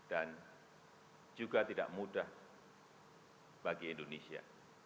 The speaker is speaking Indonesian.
dan juga tidak mudah bagi indonesia